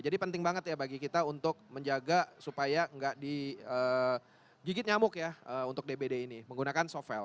jadi penting banget ya bagi kita untuk menjaga supaya gak digigit nyamuk ya untuk dbd ini menggunakan sovel